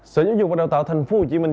sở nhân dụng và đào tạo thành phố hồ chí minh